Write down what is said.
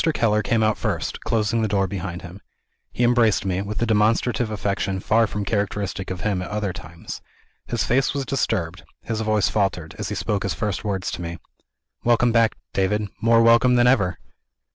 Keller came out first, closing the door behind him. He embraced me, with a demonstrative affection far from characteristic of him at other times. His face was disturbed; his voice faltered, as he spoke his first words to me. "Welcome back, David more welcome than ever!"